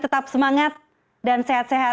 tetap semangat dan sehat sehat